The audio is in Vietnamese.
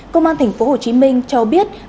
công an tp hcm cho biết